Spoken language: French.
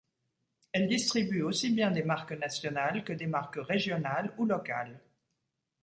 Elle distribue aussi bien des marques nationales que des marques régionales ou locales.